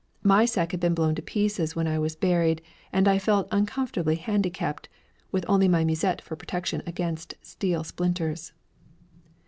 My sack had been blown to pieces when I was buried, and I felt uncomfortably handicapped, with only my musette for protection against steel splinters.